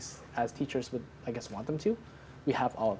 dan melakukan hal hal yang ingin dilakukan oleh para pelajar